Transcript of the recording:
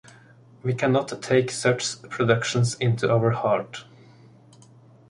We cannot take such productions into our heart.